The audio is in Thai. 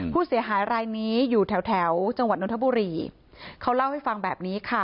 ผู้เสียหายรายนี้อยู่แถวแถวจังหวัดนทบุรีเขาเล่าให้ฟังแบบนี้ค่ะ